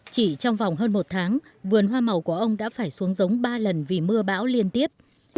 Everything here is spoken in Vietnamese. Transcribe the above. chỉ trong vòng hơn một tháng vườn hoa màu của ông đã phải xuống giống ba lần vì mưa bão liên tiếp